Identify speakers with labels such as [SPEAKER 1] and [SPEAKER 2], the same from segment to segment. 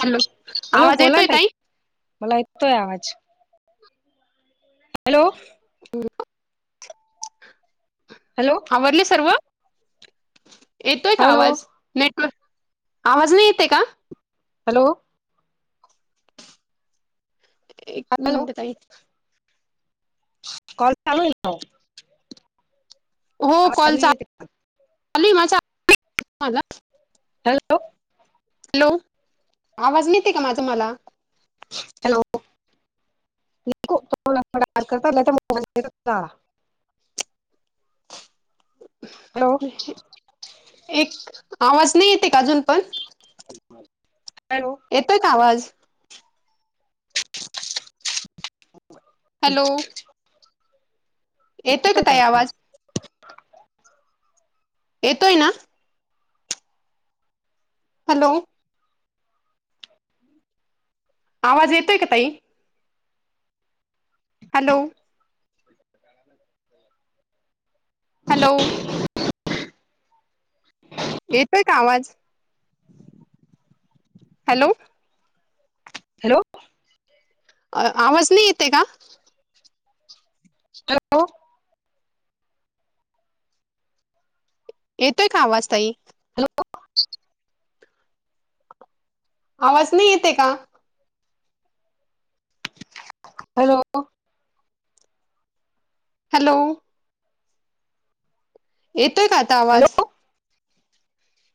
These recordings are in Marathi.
[SPEAKER 1] हॅलो
[SPEAKER 2] हॅलो
[SPEAKER 1] आवाज
[SPEAKER 2] बोला
[SPEAKER 1] येतोय
[SPEAKER 2] ना ताई मला ऐतोय आवाज. हॅलो! हॅलो
[SPEAKER 1] आवरले सर्व. येतोय का
[SPEAKER 2] हॅलो
[SPEAKER 1] आवाज, नेटवर्क आवाज नाही येतय का
[SPEAKER 2] हॅलो.
[SPEAKER 1] एक
[SPEAKER 2] हॅलो
[SPEAKER 1] मिनिट ताई
[SPEAKER 2] कॉल चालू आहे का हो [unintelligible]
[SPEAKER 1] हो कॉल चालू [unintelligible] आहे माझा माझ
[SPEAKER 2] हॅलो.
[SPEAKER 1] हॅलो आवाज नीट [unintelligible] का माझा मला
[SPEAKER 2] हॅलो. [unintelligible] हॅलो
[SPEAKER 1] एक आवाज नाही येतय का अजून पण
[SPEAKER 2] हॅलो.
[SPEAKER 1] येतोय का आवाज
[SPEAKER 2] [unintelligible]
[SPEAKER 1] हॅलो. येतोय का ताई आवाज येतोय ना. हॅलो. आवाज येतोय का ताई. हॅलो. हॅलो. येतोय का आवाज, हॅलो
[SPEAKER 2] हॅलो.
[SPEAKER 1] आवाज नाही येतय का?
[SPEAKER 2] हॅलो.
[SPEAKER 1] येतोय का आवाज ताई.
[SPEAKER 2] हॅलो.
[SPEAKER 1] आवाज नाही येतय का
[SPEAKER 2] हॅलो.
[SPEAKER 1] हॅलो. येतोय का आता आवाज?
[SPEAKER 2] हॅलो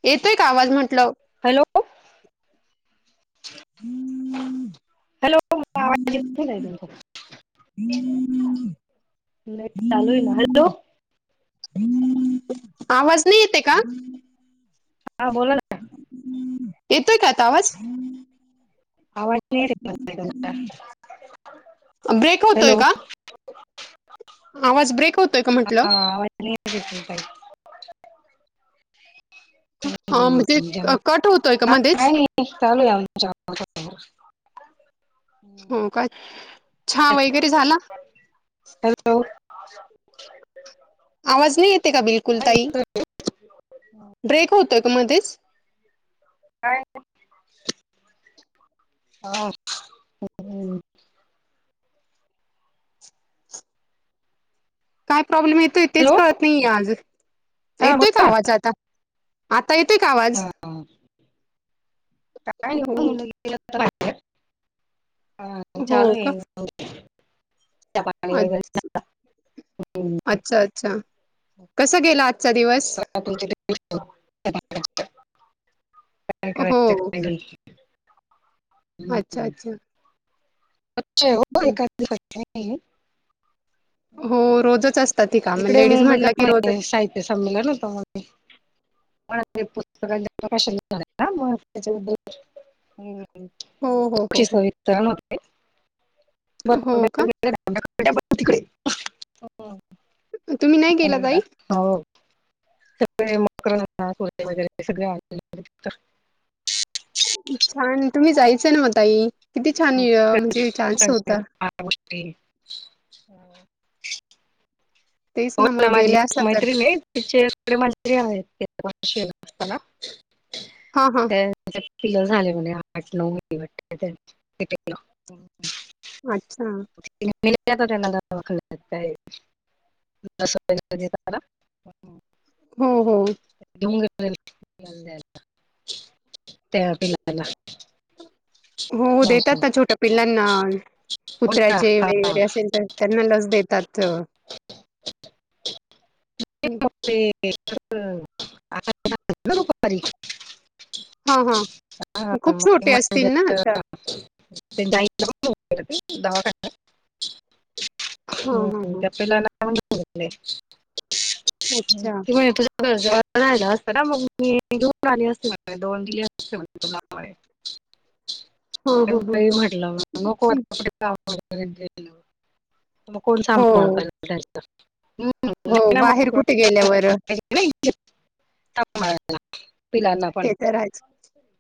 [SPEAKER 1] येतोय का आवाज म्हटलं.
[SPEAKER 2] हॅलो. हॅलो [unintelligible] नेट चालू आहे ना? हॅलो
[SPEAKER 1] आवाज नाही येतय का
[SPEAKER 2] हा बोला ना.
[SPEAKER 1] येतोय का आता आवाज.
[SPEAKER 2] आवाज
[SPEAKER 1] ब्रेक
[SPEAKER 2] [unintelligible]
[SPEAKER 1] होतोय
[SPEAKER 2] हॅलो
[SPEAKER 1] का?
[SPEAKER 2] [unintelligible]
[SPEAKER 1] आवाज ब्रेक होतोय का म्हटलं.
[SPEAKER 2] [unintelligible]
[SPEAKER 1] हा
[SPEAKER 2] हम्म,
[SPEAKER 1] मं तेच
[SPEAKER 2] झालं.
[SPEAKER 1] कट होतोय का
[SPEAKER 2] हा
[SPEAKER 1] मध्येच
[SPEAKER 2] [unintelligible]
[SPEAKER 1] हो काय छा वैगैरे झाला.
[SPEAKER 2] हॅलो.
[SPEAKER 1] आवाज नाही येतये का बिलकुल ताई. ब्रेक होतोय का मध्येच
[SPEAKER 2] काय [unintelligible]
[SPEAKER 1] काय प्रॉब्लेम येतोय तेच
[SPEAKER 2] हॅलो
[SPEAKER 1] कळत नाहीये आज
[SPEAKER 2] हा
[SPEAKER 1] येतोय का
[SPEAKER 2] बोला
[SPEAKER 1] आवाज आता? आता येतोय का आवाज?
[SPEAKER 2] [unintelligible] [unintelligible] हा
[SPEAKER 1] हो.
[SPEAKER 2] चालू
[SPEAKER 1] हो
[SPEAKER 2] ये
[SPEAKER 1] अच
[SPEAKER 2] हम्म,
[SPEAKER 1] अच्छा अच्छा कसा गेला आजचा दिवस?
[SPEAKER 2] [unintelligible] पाण्याचं
[SPEAKER 1] हो.
[SPEAKER 2] [unintelligible] हम्म.
[SPEAKER 1] अच्छा अच्छा
[SPEAKER 2] [inaudible]
[SPEAKER 1] हं. हो रोजच असतात ही कामं.
[SPEAKER 2] इकडे
[SPEAKER 1] लेडीज म्हटलं
[SPEAKER 2] मुंबईला
[SPEAKER 1] की रोजच.
[SPEAKER 2] [unintelligible] साहित्य ते संमेलन होती. पुस्तक प्रकाश त्याच्याबदल
[SPEAKER 1] हो, हो, हो,
[SPEAKER 2] [unintelligible]
[SPEAKER 1] हो.
[SPEAKER 2] सविस्तरण होते [unintelligible] [inaudible] हो मड
[SPEAKER 1] तुम्ही नाही गेला ताई?
[SPEAKER 2] [unintelligible] हो सगळे मकर वगैरे हे सगळे ब [unintelligible]
[SPEAKER 1] छान तुम्ही जायच ना म ताई किती छान म्हणजे चान्स होता
[SPEAKER 2] [unintelligible] हो
[SPEAKER 1] तेच मग
[SPEAKER 2] ना माझी
[SPEAKER 1] गेल्या
[SPEAKER 2] एक
[SPEAKER 1] असत्या तर.
[SPEAKER 2] मैत्रीन ये तिचेडे मंत्री आहेत असताना [unintelligible]
[SPEAKER 1] हा हा
[SPEAKER 2] पिलर झाले म्हणे आठ नऊ पिलं
[SPEAKER 1] अच्छा.
[SPEAKER 2] [unintelligible] [unintelligible]
[SPEAKER 1] हो हो.
[SPEAKER 2] डोंगर त्या पिलाला [unintelligible]
[SPEAKER 1] हो देतात ना छोट्या पिल्लांना
[SPEAKER 2] हो ना
[SPEAKER 1] कुत्र्याचे
[SPEAKER 2] हा
[SPEAKER 1] वगैरे असेल तर त्यांना लस देतात हं.
[SPEAKER 2] [inaudible]
[SPEAKER 1] हा हा म खूप
[SPEAKER 2] ते
[SPEAKER 1] छोटे असतील
[SPEAKER 2] मांजर
[SPEAKER 1] ना आता.
[SPEAKER 2] [inaudible] [inaudible] [inaudible] [inaudible]
[SPEAKER 1] हां, हां, हां. अच्छा.
[SPEAKER 2] राहिला असत ना मग मी घेऊन आली असते दोन दिली असते तु
[SPEAKER 1] हां, हां, हां, हां.
[SPEAKER 2] [inaudible]
[SPEAKER 1] हं.
[SPEAKER 2] [unintelligible] सांभलच
[SPEAKER 1] हो,
[SPEAKER 2] [unintelligible]
[SPEAKER 1] हो. बाहेर कुठे
[SPEAKER 2] [inaudible]
[SPEAKER 1] गेल्यावर अ,
[SPEAKER 2] [inaudible] पिलांना पण
[SPEAKER 1] ते तर आहेच.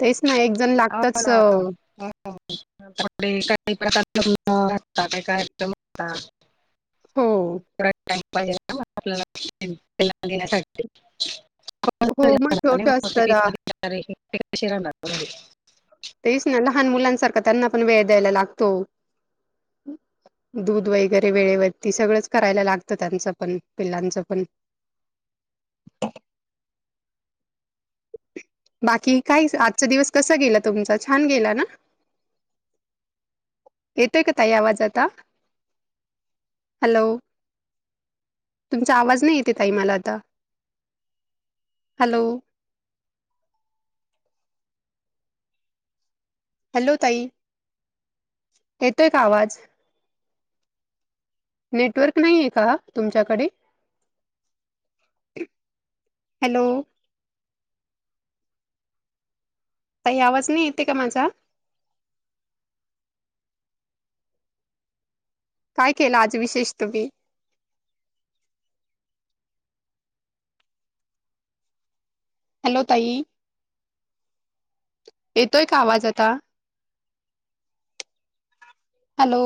[SPEAKER 1] तेच ना एक जण
[SPEAKER 2] हो
[SPEAKER 1] लागतच
[SPEAKER 2] ना.
[SPEAKER 1] अ
[SPEAKER 2] [unintelligible]
[SPEAKER 1] हो.
[SPEAKER 2] [unintelligible]
[SPEAKER 1] हो मग
[SPEAKER 2] [inaudible]
[SPEAKER 1] छोटं असतं ना.
[SPEAKER 2] [inaudible]
[SPEAKER 1] तेच ना, लहान मुलांसारखं त्यांना पण वेळ द्यायला लागतो. दूध वगैरे वेळेवरती सगळंच करायला लागतं त्यांचं पण पिल्लांचं पण. बाकी काय? आजचा दिवस कसा गेला तुमचा? छान गेला ना? येतोय का ताई आवाज आता? हॅलो. तुमचा आवाज नाही येते ताई मला आता. हॅलो. हॅलो ताई, येतोय का आवाज? नेटवर्क नाहीये का तुमच्याकडे? हॅलो. ताई आवाज नाही येते का माझा? काय केलं आज विशेष तुम्ही? हॅलो, ताई. येतोय का आवाज आता? हॅलो.